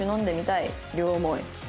両思い。